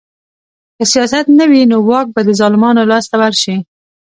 که سیاست نه وي نو واک به د ظالمانو لاس ته ورشي